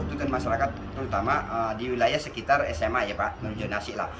untuk masyarakat terutama di wilayah sekitar sma ya pak menuju zonasi lah